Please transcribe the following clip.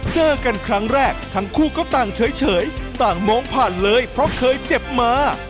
เจอกันครั้งแรกทั้งคู่ก็ต่างเฉยต่างมองผ่านเลยเพราะเคยเจ็บมา